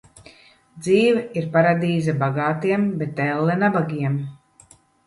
Dzīve ir paradīze bagātiem, bet elle nabagiem.